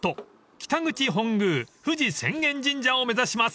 北口本宮冨士浅間神社を目指します］